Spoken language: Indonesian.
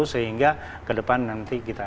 jadi kita harus memperbaiki kemampuan kita